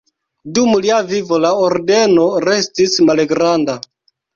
Dum lia vivo la ordeno restis malgranda.